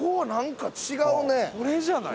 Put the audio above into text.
これじゃない？